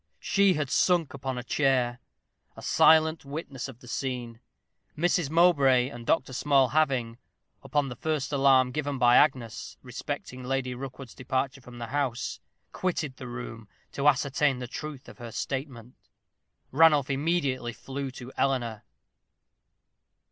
She had sunk upon a chair, a silent witness of the scene, Mrs. Mowbray and Dr. Small having, upon the first alarm given by Agnes respecting Lady Rookwood's departure from the house quitted the room to ascertain the truth of her statement. Ranulph immediately flew to Eleanor.